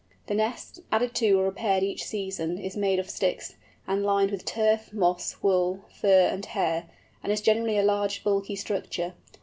The nest, added to or repaired each season, is made of sticks, and lined with turf, moss, wool, fur, and hair, and is generally a large, bulky structure.